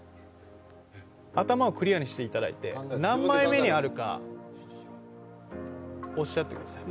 頭をクリアにしていただいて、何枚目にあるかおっしゃってください。